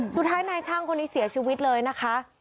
สุดท้ายนายช่างคนนี้เสียชีวิตเลยนะคะ